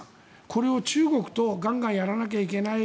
これを中国とガンガンやらなきゃいけない